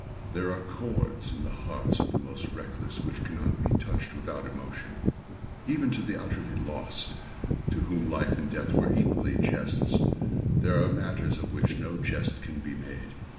There are chords in the hearts of the most reckless which cannot be touched without emotion. Even with the utterly lost, to whom life and death are equally jests, there are matters of which no jest can be made.